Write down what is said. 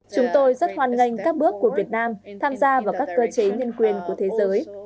chúng tôi rất hoan nghênh các bước của việt nam tham gia vào các cơ chế nhân quyền của thế giới